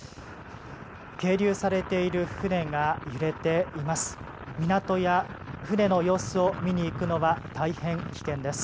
係留されている船が揺れています。